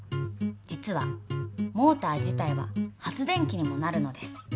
実はモーター自体は発電機にもなるのです。